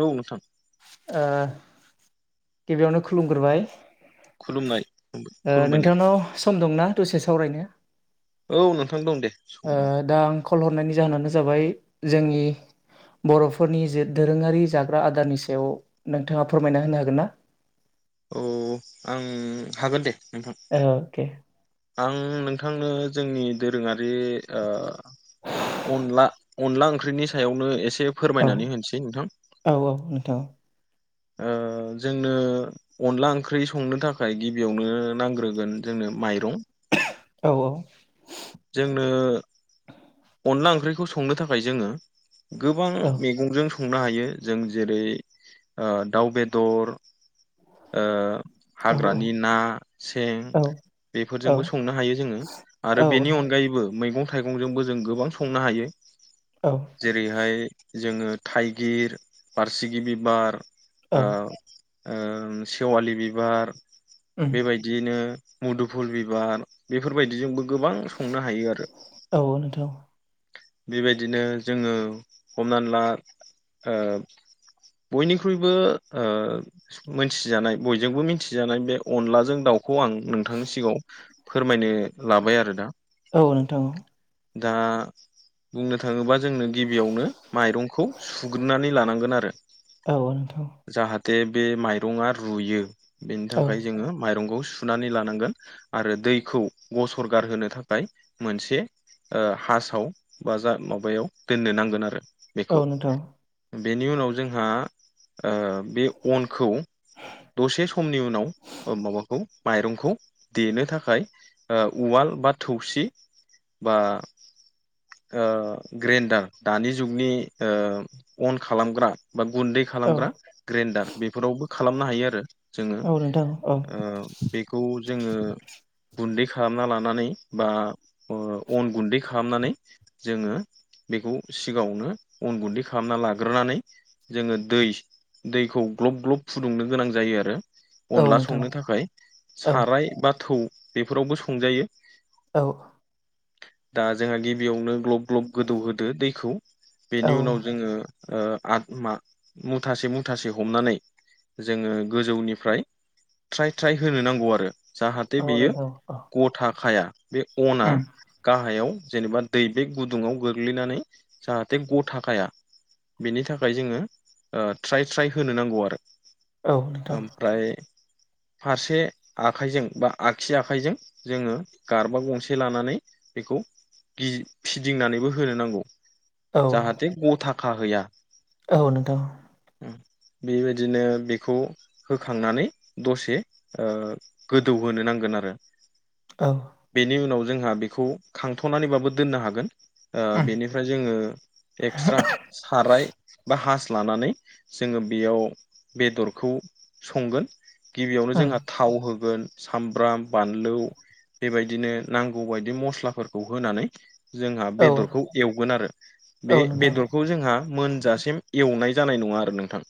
औ नोंथां ओ गिबियावनो खुलुमग्रोबाय खुलुमनाय ओ खुलुमबाय नोंथांनाव सम दंना दसे सावरायनो औ नोंथां दं दे ओ सम दं दा आं कल हरनायनि जाहोनानो जाबाय जोंनि बर'फोरनि जे दोरोङारि जाग्रा आदारनि सायाव नोंथाङा फोरमायना होनो हागोन ना [inaudible] औ आं हागोन दे नोंथां अके आं नोंथांनो जोंनि दोरोङारि ओ अनला अनला ओंख्रिनि सायावनो एसे औ फोरमायनानै होनोसै नोंथां औ नोंथां ओ जोंनो अनला ओंख्रि संनो थाखाय गिबियावनो नांग्रोगोन जोंनो माइरं औ औ ख्रैखौ संनो थाखाय जोङो गोबां औ मैंगंजों खुंनो हायो जों जेरै ओ दाउ बेदर ओ औ हाग्रानि ना सें औ बेफोरजोंबो संनो हायो जोङो आरो बेनि अनगायैबो मैगं थाइगंजोंबो जों गोबां संनो हायो औ जेरैहाय जोङो थाइगिर बारसेगि बिबार औ सेवालि बिबार उम बेबायदियैनो मुदुफुल बिबार बेफोरबायदिजोंबो गोबां संनो हायो आरो औ नोंथां बेबायदिनो जोङो हमनानै ला बयनिख्रुइबो मोनथिजानाय बयजोंबो मिथिजानाय बे अनलाजों दाउ बेखौ आं नोंथांनि सिगाङाव फोरमायनो लाबाय आरो दा औ नोंथाव औ दा बुंनो थाङोबा जोंनो गिबियावनो माइरंखौ सुग्रोननानै लानांगोन आरो औ नोंथां जाहा थे बे माइरङा रुयो बेनि औ थाखाय जोङो माइरंखौ सुनानै लानांगोन आरो दैखौ गसर गारहोनो थाखाय मोनसे हासाव बा जा माबायाव दोननो नांगोन आरो औ बेखौ नोंथां बेनि उनाव जोंहा बे अनखौ दसे समनि उनाव माबाखौ माइरंखौ देनो थाखाय उवाल बा थौसि बा ग्रेन्डार दानि जुगनि अन खालामग्रा बा गुन्दै औ खालामग्रा ग्रेन्डार बेफोरावबो खालामनो हायो आरो जोङो औ नोंथां औ बेखौ जोङो गुन्दै खालामना लानानै बा अन गुन्दै खालामनानै जोङो बेखौ सिगाङावनो अन गुन्दै खालामना लाग्रोनानै जोङो दै दैखौ ग्लब ग्लब फुदुंनो गोनां जायो आरो औ अनला नोंथां संनो थाखाय औ साराय बा थौ बेफोरावबो संजायो औ दा जोंहा गिबियावनो ग्लब ग्लब गोदौहोदो दैखौ बेनि औ उनाव जोङो आ मा मुथासे मुथासे हमनानै जोङो गोजौनिफ्राय ट्राय ट्राय होनो नांगौ आरो अ नोंथां अ। थाखायाया बे अना गाहायाव जेनेबा दै बे गुदुङाव गोग्लैनानै जाहाथे गथा खाया । बेनि थाखाय जोङो ट्राय ट्राय होनो नांगौ आरो। औ नोंथां ओमफ्राय फारसे आखाइजों बा आगसि आखाइजों जोङो गारबा गंसे लानानै बेखौ गि फिदिंनानैबो होनो नांगौ। औ जाहाथे गथाखाहोया। औ नोंथां [unintelligible] बेबायदिनो बेखौ होखांनानै दसे गोदौहोनो नांगोन आरो औ बेनि उनाव जोंहा बेखौ खांथ'नानैबाबो दोननो हागोन। उम बेनिफ्राय जोङो एक्सट्रा साराय बा हास लानानै जोङो बेयाव बेदरखौ संगोन। गिबियावनो उम जोंहा थाव होगोन सामब्राम बानलु बेबायदिनो नांगौ बदि मस्लाफोरखौ होनानै। जोंहा औ बेदरखौ एवगोन आरो औ बे नोंथां बेदरखौ जोंहा मोनजासिम एवनाय जानाय नङा आरो नोंथां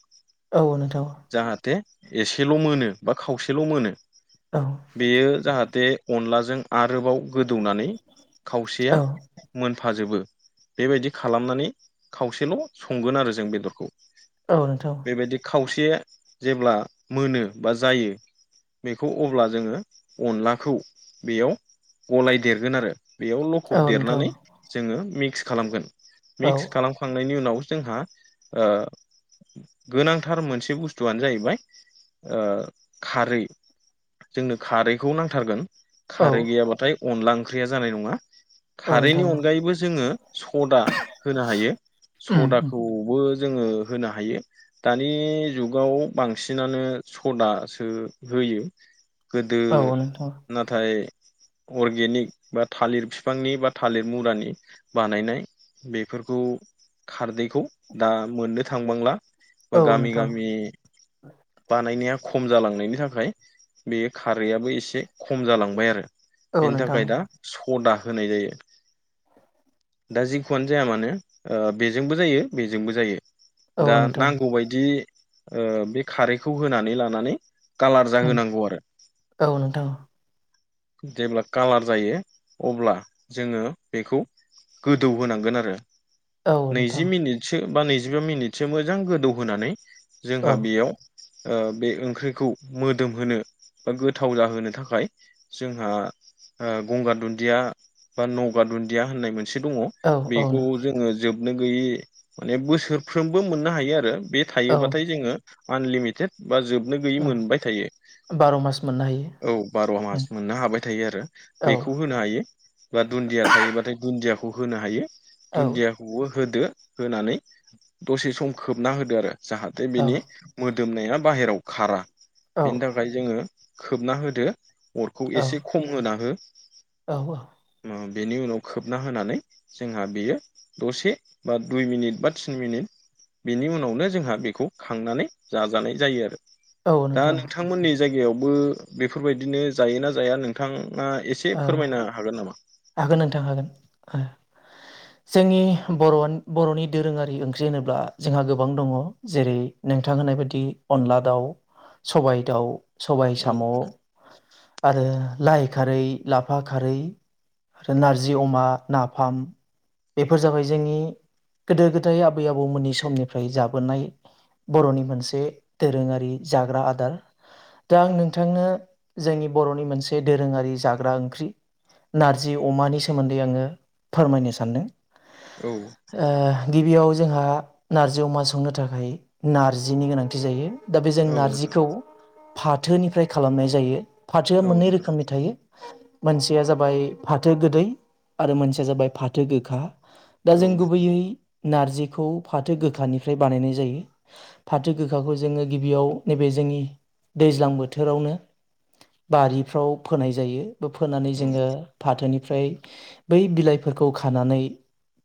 औ नोंथां जाहाथे एसेल' मोनो बा खावसेल' मोनो औ बेयो जाहाथे अनलाजों आरोबाव गोदौवनानै खावसेआ औ मोन फाजोबो बेबायदि खालामनानै खावसेल' संगोन आरो जों बेदरखौ औ नोंथां बेबायदि खावसे जेब्ला मोनो बा जायो बेखौ अब्ला जोङो अनलाखौ बेयाव गलाय देरगोन आरो बेयाव लखब औ नोंथां देरनानै जोङो। मिक्स खालामगोन औ मिक्स खालामखांनायनि उनाव जोंहा गोनांथार मोनसे बुस्थुआनो जाहैबाय खारै जोंनो खारैखौ नांथारगोन औ खारै गैयाब्लाथाय अनला ओंख्रिया जानाय नङा औ खारैनि नोंथां अनगायैबो जोङो सदा होनो हायो उम उम सदाखौबो जो हायो द जुगाव बांसिनानो सदासो फयो गोदो औ नोंथां नाथाय अर्गेनिक बा थालिर बिफांनि बा थालिर मुरानि बानायनाय बेफोरखौ खारदैखौ दा मोननो थांबांला बा औ गामि नोंथां गामि बानायनाया खम जालांनायनि थाखाय बे खारैआाबबो एसे खम जालांबाय आरो औ बेनि नोंथां थाखाय दा सदा होनाय जायो दा जिखुआनो जाया मानो बेजोंबो जायो बेजोंबो जायो औ दा नोंथां नांगौबायायदि बे खारैखौ होनानै लानानै कालार उम जाहोनांगौ आरो। औ नोंथां जेब्ला कालार जायो अब्ला जोङो बेखौ गोदौ होनांगोन आरो औ नैजि नोंथां मिनिटसो बा नैजिबा मिनिटसो मोजां गोदौहोनानै जोंहा औ बेयाव बे ओंख्रिखौ मोदोमहोनो बा गोथाव जाहोनो थाखाय जोंहा गंगार दुन्दिया बा नगा दुन्दिया होननाय मोनसे एसे दङ औ औ बेखौ नो जोङो जोबनो गैयै माने बोसोरफ्रोमबो मोननो हायो आरो बे औ थायोबाथाय जोङो आनलिमिटेड बा जोबनो गैयै ओ मोनबाय थायो। बार' मास मोननो हायो औ बार' मास उम मोननो हाबाय थायो आरो औ बेखौ होनो हायो बा दुन्दिया थायोबाथाय दुन्दियाखौ। खौ होनो हायो औ दुन्दियाखौबो होदो होनानै दसे सम खोबना होदो आरो जाहाथे औ बिनि मोदोमनाया बाहेरायाव खारा बेनि औ थाखाय जोङो खोबना हो दों अरखौ एसे खम होना हो औ-औ बेनि उनाव खोबना होनानै जोंहा बेयो दसे बा दुइ मिनिट बा थिन मिनिट बेनि उनावनो जोंहा बेखौ खांनानै जाजानाय जायो आरो औ दा नोंथां नोंथांमोननि जायगायावबो बेफोरबायदिनो जायोना जाया नोंथां हागोन नोंथां हागोन जोंनि बर बर'नि दोरोङारि ओंख्रि होनोब्ला जोंहा गोबां दङ जेरै नोंथां होनाय बायदि अनला दाउ सबाय दाउ सबाय साम' औ आरो लाइ खारै लाफा खारै आरो नारजि अमा नाफाम बेफोर जाबाय जोंनि गोदो गोदाय आबै आबौमोननि समनिफ्राय जाबोनाय बर'नि मोनसे दोरोङारि जाग्रा आदार दा आं नोंथांनो जोंनि बर'नि मोनसे दोरोङारि जा ग्रा ओंख्रि नारजि अमानि सोमोन्दै आङो फोरमायनो सान्दों औ गिबियाव जोंहा नारजि अमा संनो थाखाय नारजिनि गोनांथि जायो दा बे जों औ नोंथां नारजिखौ फाथोनिफ्राय खालामनाय जायो फाथोआ औ मोननै नोंथां रोखोमनि थायो मोनसेया जाबाय फाथो गोदै आरो मोनसेया जाबाय फाथो गोखा दा औ जों गुबैयै नारजिखौ फाथो गोखानिफ्राय बानायनाय जायो फाथो गोखाखौ जोङो गिबियाव नैबे जों जोंनि दैज्लां बोथोरावनो बारिफ्राव फोनाय जायो बो फोनानै नोंथां जोङो औ फाथोनि ओमफ्राय बै बिलाइफोरखौ खानानै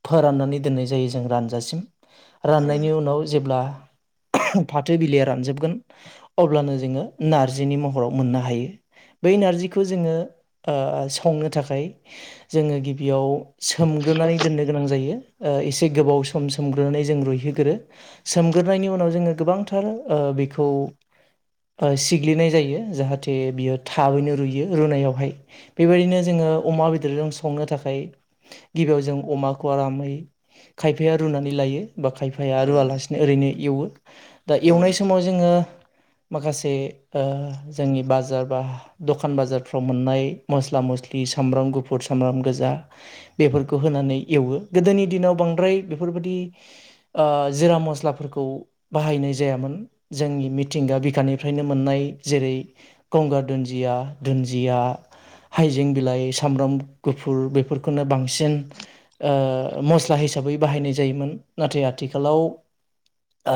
फोराननानै दोननाय जायो जों रानजासिम राननायनि नोंथां उनाव जेब्ला फाथो बिलाइया रानजोबगोन अब्लानो जोङो नारजिनि महराव मोननो हायो बै नारजिखौ जोङो आ संनो थाखाय जोङो गिबियाव सोमग्रोनानै दोननो गोनां जायो ओ एसे गोबाव सम सोमग्रोनानै जों रुइहोगोरो सोमग्रोनायनि उनाव जोङो गोबांथार ओ बेखौ ओ सिग्लिनाय जायो जाहाथे बियो थाबैनो रुयो रुनायावहाय बेबायदिनो जोङो अमा बेदरजों संनो थाखाय गिबियाव जों अमाखौ आरामै खायफाया रुनानै लायो बा खायफाया औ नोंथां रुवालासिनो ओरैनो एवो दा औ एवनाय समाव जोङो माखासे ओ जोंनि बाजार बा दखान बाजारफ्राव मोननाय मस्ला मस्लि सामब्राम गुफुर सामब्राम गोजा बेफोरखौ होनानै एवो गोदोनि दिनाव ब बांद्राय बेफोरबादि आ जिरा मस्लाफोरखौ बाहायनाय जायामोन जों नि मिथिंगा बिखानिफ्रायनो मोननाय जेरै गंगार दोनजिया दोनजिया हाइजें बिलाइ सामब्राम गुफुर बेफोरखौनो बांसिन ओ मस ला हिसाबै बाहायनाय जायोमोन नाथाय आथिखालाव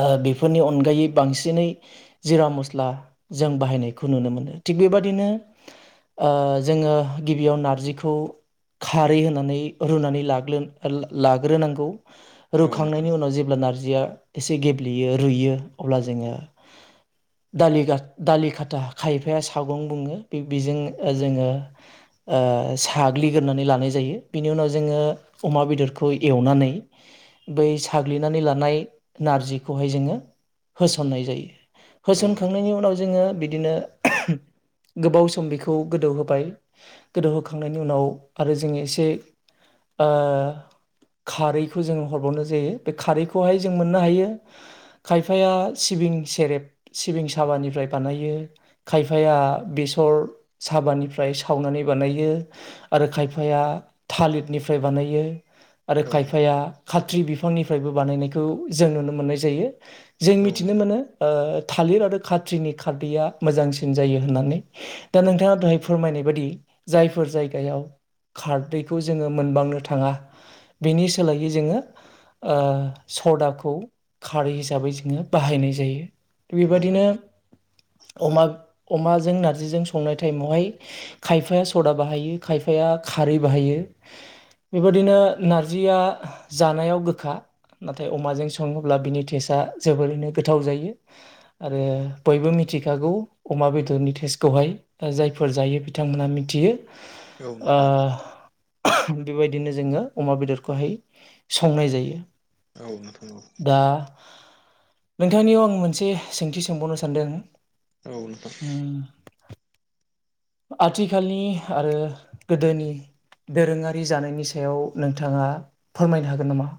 आ बेफोरनि अनगायै बांसिनै जिरा मस्ला जों बाहायनायखौ नुनो मोनो थिग बेबाददिनो आ जोङो गिबियाव नारजिखौ खारै होनानै रुनानै लाग्लोन-लाग्रोनांगौ रुखांनायनि नोंथां उनाव जेब्ला नारजिया एसे गेब्लेयो रुयो अब्ला जोङो दालि गाग दालि खाथा खायफाया सागं बुङो बे बेजों ओ जोङो आ साग्लिग्रोनानै लानाय जायो बिनि उनाव जोङो अमा बेदरखौ एवनानै बै साग्लिनानै लानाय नारजिखौहाय जोङो होसन्नाय जायो औ नोंथां होसनखांनायनि उनाव जोङो बिदिनो गोबाव सम बेख खौ गोदौ होबाय गोदौहोखांनायनि उनाव आरो जोङो एसे ओ खारैखौ जों हरबावनाय जायो बे खारैखौहाय जों मोननो हायो खायफाया सिबिं सेरेब सिबिं साबानिफ्राय बानायो खायफाया बेस सर साबानिफ्राय सावनानै बानायो आरो खायफाया थालिरनिफ्राय बानायो। आरो औ खायफाया खाथ्रि बिफांनिफ्रायबो बानायनायखौ जों नुनो मोननाय जायो। जों औ मिथिनो नोंथां मोनो ओ थालिर आरो खाथ्रिनि खारदैया मोजांसिन जायो होननानै। दा औ नोंथाङा दाहाय फोरमायनाय बादि जायफोर जायगायाव खारदैखौ जोङो मोनबांनो थाङा। बेनि सोलायै जोङो ओ सदाखौ खारै हिसाबै जोङो बाहायनाय जायो। बिबायदिनो अमाब-अमाजों नारजिजों संनायथ टाइमावहाय खायफाया सदा बाहायो खायफाया खारै बाहायो। बेबादिनो नारजिया जानायाव गोखा। नाथाय अमाजों सङोब्ला बिनि टेसआ जोबोरैनो गोथाव जायो आरो बयबो मि थिखागौ अमा बेदरनि थेस्टखौहाय ओ जायफोर जायो बिथांमोनहा मिथियो औ नोंथां औ ओ नोंथां बेबायदिनो जोङो अमा बेदरखौहाय संनाय जायो। औ नोंथां औ। दा नोंथांनियाव आं मोनसे सोंथि सोंबावनो सानदों। औ नोंथां। उम आथिखालनि आरो गोदोनि दोरोङारि जानायनि सायाव नोंथाङा फोरमायनो हागोन नामा?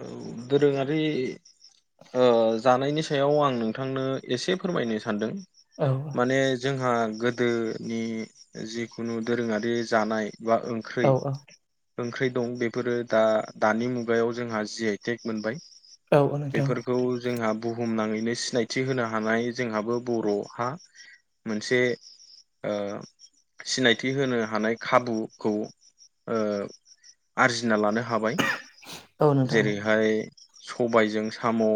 औ दोरोङारि ओ जानायनि सायाव आं नोंथांनो एसे फोरमायनो सानदों। औ माने जोंहा गोदोनि जिखुनु दोरोङारि जानाय। बां ओंख्रै औ ओंख्रै दं बेफोरो दा दानि मुगायाव ज जोंहा जि आइ टेक मोनबाय औ नोंथां बेफोरखौ जोंहा बुहुमनाङै बेनि सिनायथि होनो हानाय जोंहाबो बर'हा मोनसे ओ सिनायथि होनो हानाय खाबुखौ ओ आरजिना लानो हाबाय। औ नोंथां जेरैहाय सबायजों साम'।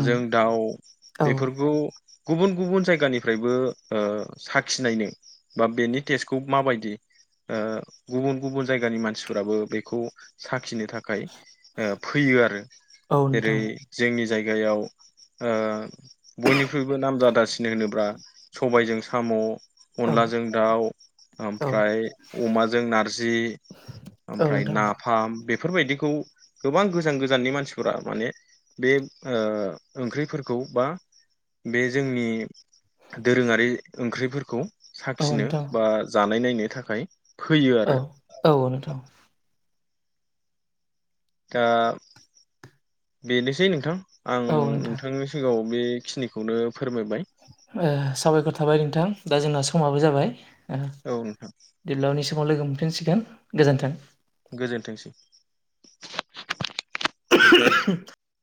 उम दाउ औ बेफोरखौ। गुबुन गुबुन जायगानिफ्रायबो ओ साखिनायनो बा बेनि टेस्टखौ माबायदि ओ गुबुन गुबुन जायगानि मानसिफोराबो बेखौ साखिनो थाख खाय ओ फैयो आरो औ जेरै नोंथां जोंनि। जायगायाव ओ बयनिख्रुइबो नाम जादासिन होनोब्ला। सबायजों साम'। औ अनलाजों दाउ औ ओमफ्राय अमाजों नारजि। औ ओमफ्राय नोंथां नाफाम बेफ फोरबायदिखौ गोबां गोजान गोजाननि मानसिफोरा माने बे ओ ओंख्रिफोरखौ बा बे जोंनि दोरोङारि ओंख्रिफोरखौ। औ साखिनो नोंथां बा जानाय नायनो थाखाय फैयो आरो औ औ नोंथां। दा बेनोसै नोंथां आं औ नोंथां नोंथांनि सिगांङाव बेखिनिखौनो ब ओ साबायखर थाबाय नोंथां दा जोंना समाबो जाबाय। ओ औ नोंथां दिलावनि समाव लोगो मोनफिनसिगोन गोजोन्थों। गोजोनथोंसै। [inaudible]